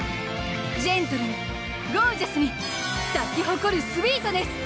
ジェントルにゴージャスに咲き誇るスウィートネス！